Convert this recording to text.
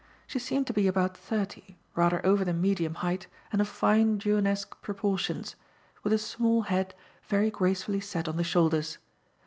She seemed to be about thirty, rather over the medium height and of fine Junoesque proportions, with a small head very gracefully set on the shoulders.